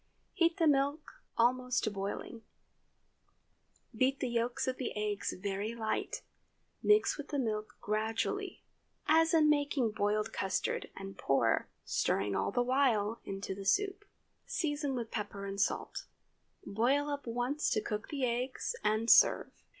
Heat the milk almost to boiling; beat the yolks of the eggs very light; mix with the milk gradually, as in making boiled custard, and pour—stirring all the while—into the soup. Season with pepper and salt; boil up once to cook the eggs, and serve.